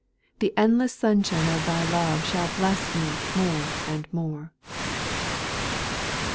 The endless sunshine of Thy love shall bless me more and more.